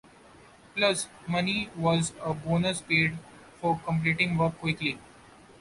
'Plus' money was a bonus paid for completing work quickly.